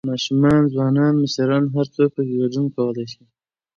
، ماشومان، ځوانان، مشران هر څوک پکې ګډون کولى شي